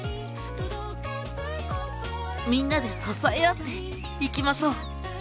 みんなで支え合って生きましょう！